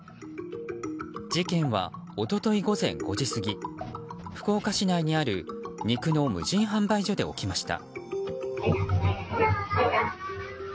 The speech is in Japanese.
事件は、一昨日午前５時過ぎ福岡市内にある肉の無人販売所で起きました。